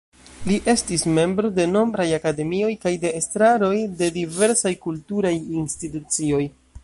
Li estis membro de nombraj akademioj kaj de estraroj de diversaj kulturaj institucioj.